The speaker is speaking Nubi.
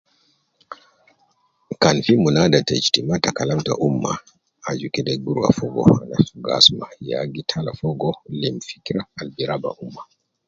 Kan fi munada te ijtima ta kalam ta umma, aju kede gi rua fogo, aju gi asuma ya gi tala fogo lim fikira al gi raba umma